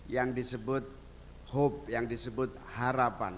yang disebut hub yang disebut harapan